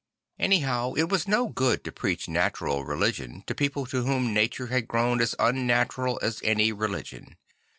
Anyhow it was no good to preach natural religion to people to whom nature had grown as unnatural as any religion.